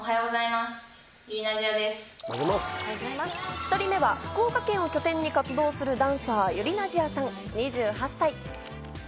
１人目は福岡県を拠点に活躍するダンサー、ｙｕｒｉｎａｓｉａさん、２８歳。